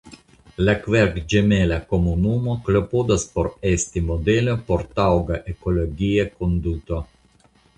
La kverkĝemela komunumo klopodas por esti modelo por taŭga ekologia konduto.